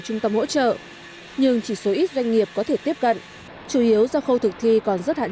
trung tâm hỗ trợ nhưng chỉ số ít doanh nghiệp có thể tiếp cận chủ yếu do khâu thực thi còn rất hạn